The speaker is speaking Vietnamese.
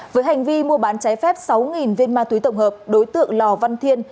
với hành vi mua bán trái phép sáu viên ma túy tổng hợp đối tượng lò văn thiên